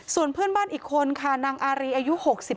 ส่วนเพื่อนบ้านอีกคนค่ะนางอารีอายุ๖๒